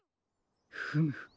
フム。